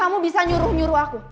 kamu bisa nyuruh nyuruh aku